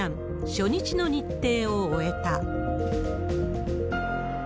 初日の日程を終えた。